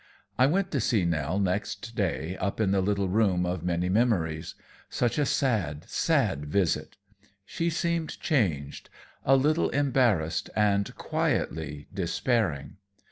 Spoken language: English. I went to see Nell next day, up in the little room of many memories. Such a sad, sad visit! She seemed changed a little embarrassed and quietly despairing.